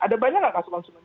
ada banyak nggak masuk konsumen